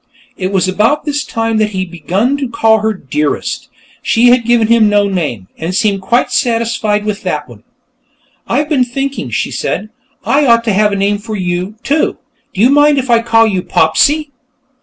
It was about this time that he had begun to call her Dearest. She had given him no name, and seemed quite satisfied with that one. "I've been thinking," she said, "I ought to have a name for you, too. Do you mind if I call you Popsy?"